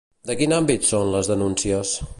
De quin àmbit són les denúncies?